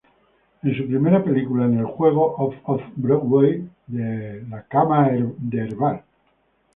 En su primera película, en el juego Of-Of Broadway, "The Herbal Bed".